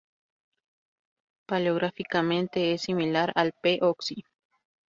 Paleográficamente es similar al P. Oxy.